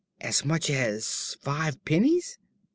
"As much as five pennies?"